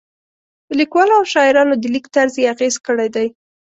په لیکوالو او شاعرانو د لیک طرز یې اغېز کړی دی.